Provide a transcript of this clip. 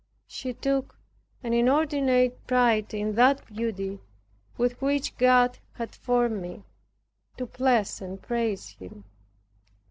She took an inordinate pride in that beauty with which God had formed me, to bless and praise Him.